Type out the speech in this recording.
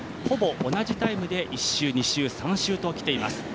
ほぼ同じタイムで１周、２周、３周ときています。